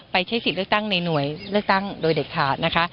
ใช้สิทธิ์เลือกตั้งในหน่วยเลือกตั้งโดยเด็ดขาดนะคะ